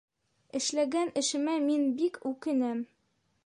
Эшләгән әшемә мин бик үкенәм!